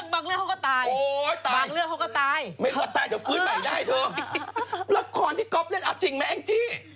บางเลือกเขาก็ตายเดี๋ยวฟื้นใหม่ได้เถอะลักษณ์ที่ก๊อบเล่นเอาจริงไหมแอ้งจี้